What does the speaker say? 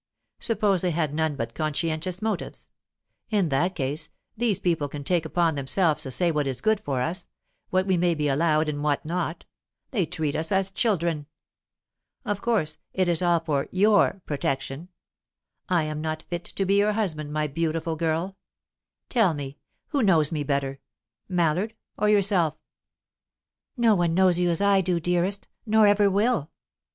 Suppose they had none but conscientious motives; in that case, these people take upon themselves to say what is good for us, what we may be allowed and what not; they treat us as children. Of course, it is all for your protection. I am not fit to be your husband, my beautiful girl! Tell me who knows me better, Mallard or yourself?" "No one knows you as I do, dearest, nor ever will."